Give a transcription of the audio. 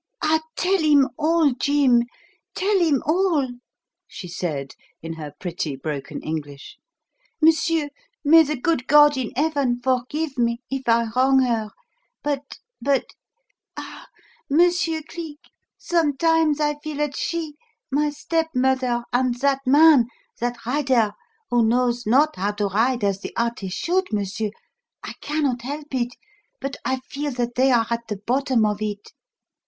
"Ah, tell him all, Jim, tell him all," she said, in her pretty broken English. "Monsieur, may the good God in heaven forgive me, if I wrong her; but but Ah, Monsieur Cleek, sometimes I feel that she, my stepmother, and that man, that 'rider' who knows not how to ride as the artist should monsieur, I cannot help it, but I feel that they are at the bottom of it."